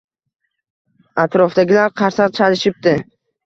Atrofdagilar qarsak chalishibdi